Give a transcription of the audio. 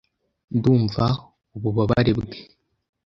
Ndumva ububabare bwe .